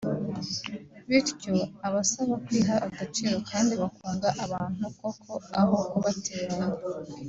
bityo abasaba kwiha agaciro kandi bakunga abantu koko aho kubateranya